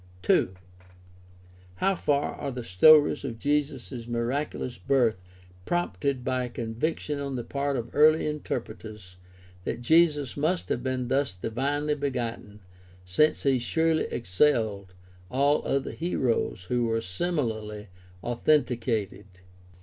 (2) How far are the stories of Jesus' miraculous birth prompted by a conviction on the part of early interpreters that Jesus must have been thus divinely begotten since he surely excelled all other heroes who were similarly authenticated